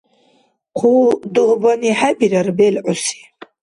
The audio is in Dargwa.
Хъу дугьбани хӀебирар белгӀуси.